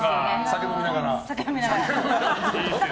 酒飲みながらね。